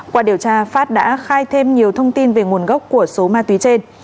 qua điều tra phát đã khai thêm nhiều thông tin về nguồn gốc của số ma túy trên